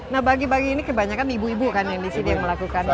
nah bagi bagi ini kebanyakan ibu ibu kan yang di sini yang melakukan